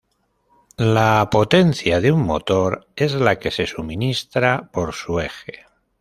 La potencia de un motor es la que se suministra por su eje.